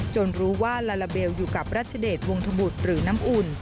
รู้ว่าลาลาเบลอยู่กับรัชเดชวงธบุตรหรือน้ำอุ่น